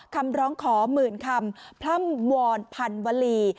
คำร้องขอหมื่นคำพร่ำวอนพันวลี